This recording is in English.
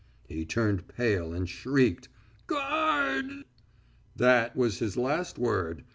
He turned pale and shrieked: "Guard d d!..." That was his last word.